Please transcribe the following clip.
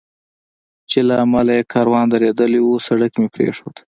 چې له امله یې کاروان درېدلی و، سړک مې پرېښود.